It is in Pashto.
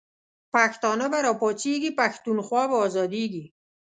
پښتانه به را پاڅیږی، پښتونخوا به آزادیږی